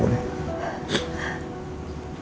aku kok di rumah sakit